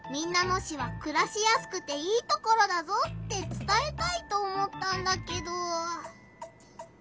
野市はくらしやすくていいところだぞってつたえたいと思ったんだけど。